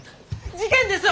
事件ですよ！